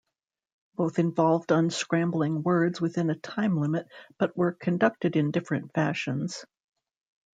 Both involved unscrambling words within a time limit but were conducted in different fashions.